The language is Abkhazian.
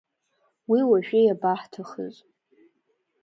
Уи уажәы иабаҳҭахыз…